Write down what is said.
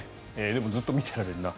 でもずっと見てられるな。